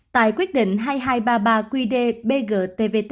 tại quyết định hai nghìn hai trăm ba mươi ba qdbgtv